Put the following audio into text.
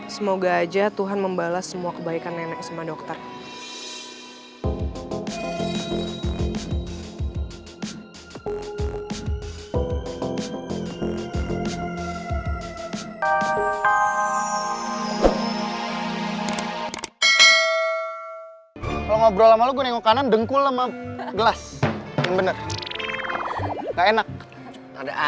semoga aja tuhan membalas semua kebaikan nenek sama dokter